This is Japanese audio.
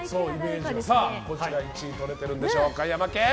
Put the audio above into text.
こちら１位取れてるんでしょうかヤマケン！